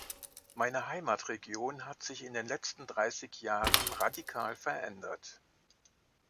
Meine Heimatregion hat sich in den letzten dreißig Jahren radikal verändert.